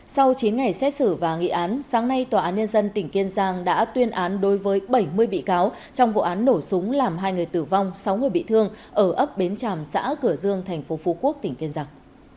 sau chín ngày xét xử và nghị án sáng nay tòa án nhân dân tỉnh kiên giang đã tuyên án đối với bảy mươi bị cáo trong vụ án nổ súng làm hai người tử vong sáu người bị thương ở ấp bến tràm xã cửa dương tp phú quốc tỉnh kiên giang